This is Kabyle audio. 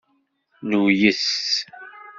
Nuyes.